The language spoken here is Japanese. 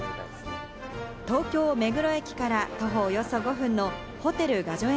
東京・目黒駅から徒歩およそ５分のホテル雅叙園